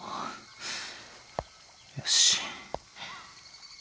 よし。